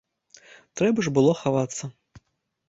Трэба ж было хавацца.